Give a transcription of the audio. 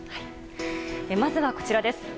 まずは、こちらです。